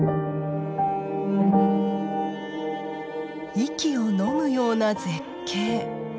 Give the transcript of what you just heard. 息をのむような絶景。